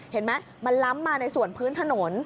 เห็นไหมมันล้ำมาในส่วนพื้นถนน